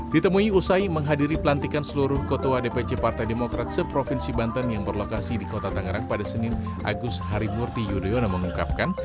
ditemui usai menghadiri pelantikan seluruh ketua dpc partai demokrat seprovinsi banten yang berlokasi di kota tangerang pada senin agus harimurti yudhoyono mengungkapkan